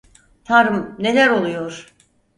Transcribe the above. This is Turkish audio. Tanrım, neler oluyor?